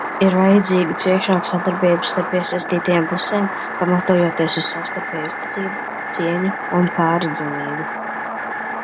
Ir vajadzīga ciešāka sadarbība starp iesaistītajām pusēm, pamatojoties uz savstarpēju uzticību, cieņu un pārredzamību.